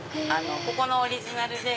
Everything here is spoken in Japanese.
ここのオリジナルで。